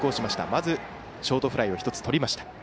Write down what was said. まずショートフライ１つとりました。